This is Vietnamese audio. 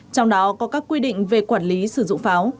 trong đó có các quy định về quản lý sử dụng pháo